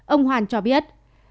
ông hoàn cho biết